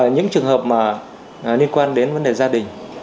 những trường hợp liên quan đến vấn đề gia đình